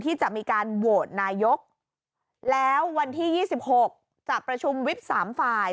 ที่จะมีการโหวตนายกแล้ววันที่๒๖จะประชุมวิบ๓ฝ่าย